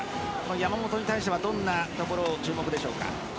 山本に対してはどんなところを注目でしょうか？